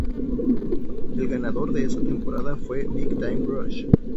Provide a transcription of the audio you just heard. El ganador de esta temporada fue Big Time Rush.